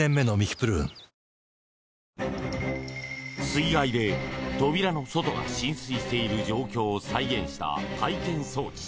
水害で扉の外が浸水している状況を再現した体験装置。